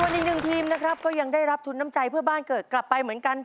สวัสดีหนึ่งทีมยังได้รับทุนน้ำใจเพื่อบ้านเกิดกลับไปถึง๓๐๐๐๐บาท